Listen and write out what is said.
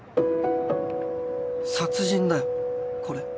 殺人だよこれ。